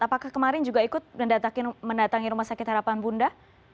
apakah kemarin juga ikut mendatangi rumah sakit harapan bunda